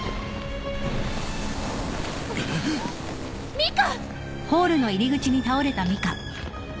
ミカ！